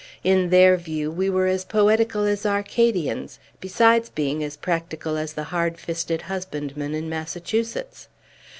In their view, we were as poetical as Arcadians, besides being as practical as the hardest fisted husbandmen in Massachusetts.